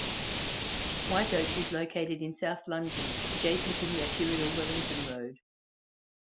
White Oaks is located in South London, adjacent the arterial Wellington Road.